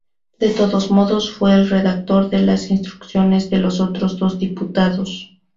De todos modos fue el redactor de las instrucciones de los otros dos diputados.